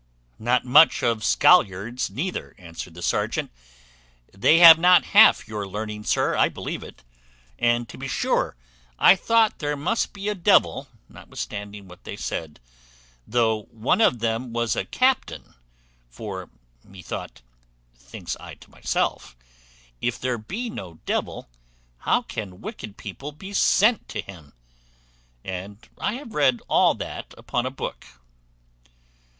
"Not much of schollards neither," answered the serjeant; "they have not half your learning, sir, I believe; and, to be sure, I thought there must be a devil, notwithstanding what they said, though one of them was a captain; for methought, thinks I to myself, if there be no devil, how can wicked people be sent to him? and I have read all that upon a book."